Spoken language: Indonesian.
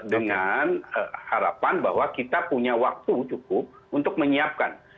dengan harapan bahwa kita punya waktu cukup untuk menyiapkan